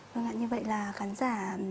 vâng ạ như vậy là khán giả